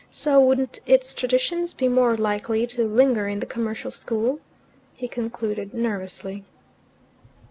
So wouldn't its traditions be more likely to linger in the Commercial School?" he concluded nervously.